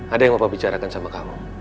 ada yang bapak bicarakan sama kamu